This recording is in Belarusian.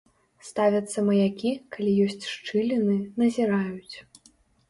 Ставяцца маякі, калі ёсць шчыліны, назіраюць.